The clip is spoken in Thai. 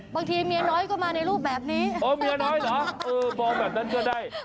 บางทีเมียน้อยก็มาในรูปแบบนี้อ๋อเมียน้อยเหรอเออมองแบบนั้นก็ได้